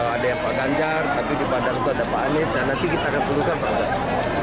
ada yang pak ganjar tapi di bandar juga ada pak anies nanti kita akan perlukan pak anies